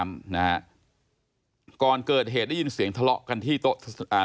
นะฮะก่อนเกิดเหตุได้ยินเสียงทะเลาะกันที่โต๊ะอ่า